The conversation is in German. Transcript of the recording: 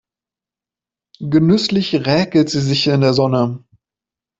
Genüsslich räkelt sie sich in der Sonne.